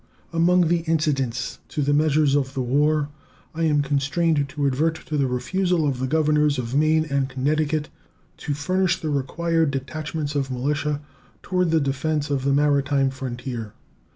Among the incidents to the measures of the war I am constrained to advert to the refusal of the governors of Maine and Connecticut to furnish the required detachments of militia toward the defense of the maritime frontier.